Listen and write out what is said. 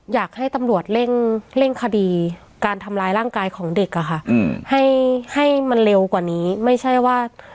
อยากให้ตำรวจเร่งคดีการทำร้ายร่างกายของเด็กอะค่ะให้ให้มันเร็วกว่านี้ไม่ใช่ว่า